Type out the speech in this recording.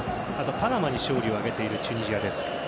パナマに勝利を挙げているチュニジアです。